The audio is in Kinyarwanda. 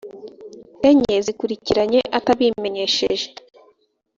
enye zikurikiranye atabimenyesheje